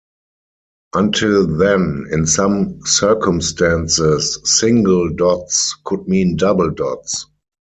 Until then, in some circumstances, single dots could mean double dots.